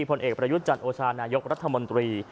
พระยุทธจันทร์โอชาณายกรัฐมนตรี